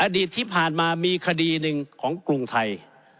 อดีตที่ผ่านมามีคดีหนึ่งของกรุงไทย